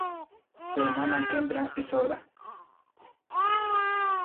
Su hermana Kendra es sorda.